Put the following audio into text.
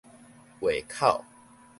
話口